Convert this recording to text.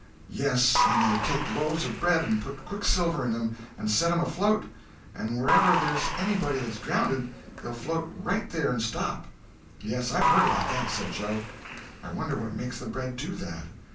Yes, and they take loaves of bread and put quicksilver in 'em and set 'em afloat, and wherever there's anybody that's drownded, they'll float right there and stop." "Yes, I've heard about that," said Joe. "I wonder what makes the bread do that."